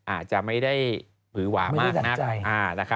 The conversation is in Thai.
อาจจะไม่ได้หวหวามาก